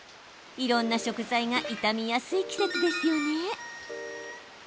いろんな食材が傷みやすい季節ですよね。